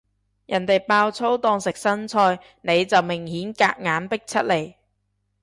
人哋爆粗當食生菜，你就明顯夾硬逼出嚟